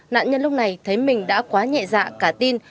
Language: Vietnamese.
nạn nhân lúc này thấy mình đã quá nhẹ dạ cả tin